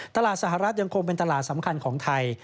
ตลาดสหรัฐยังคงเป็นตลาดสำคัญของไทย